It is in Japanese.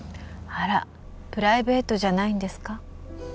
あらプライベートじゃないんですか？